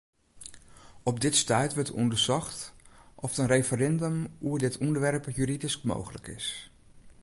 Op dit stuit wurdt ûndersocht oft in referindum oer dit ûnderwerp juridysk mooglik is.